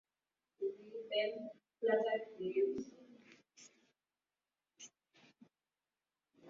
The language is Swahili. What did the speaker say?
“Sisi ni chama cha Amani, chama cha utawala wa sharia."